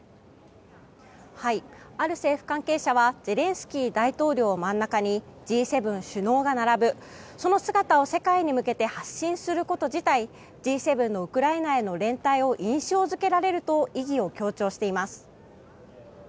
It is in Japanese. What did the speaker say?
ある政府関係者はゼレンスキー大統領を真ん中にＧ７首脳が並ぶその姿を世界に向けて発信すること自体Ｇ７のウクライナへの連帯を印象付けられると意義を強調しています。